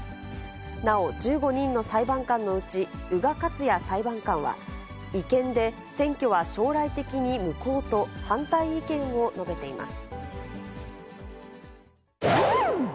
なお１５人の裁判官のうち、宇賀克也裁判官は、違憲で選挙は将来的に無効と反対意見を述べています。